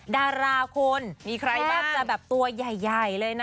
ดาราคุณมีใครบ้างจะแบบตัวใหญ่เลยนะ